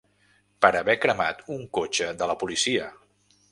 Per haver cremat un cotxe de la policia!